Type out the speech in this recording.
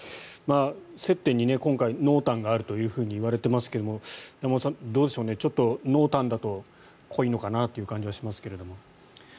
接点に今回濃淡があるといわれていますけれど山本さん、どうでしょうちょっと濃淡だと濃いのかなという感じがしますけども。